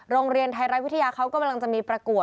โรงเรียนไทยรัฐวิทยาเขากำลังจะมีประกวด